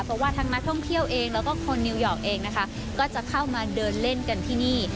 เพราะว่าทั้งนักท่องเที่ยวเองแล้วก็คนนิวยอร์กเองนะคะก็จะเข้ามาเดินเล่นกันที่นี่